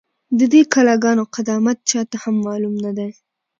، د دې کلا گانو قدامت چا ته هم معلوم نه دی،